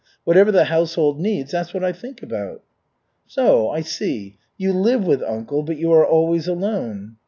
Whatever the household needs, that's what I think about." "So, I see, you live with uncle, but you are always alone?"